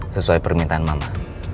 sesuai permintaan mama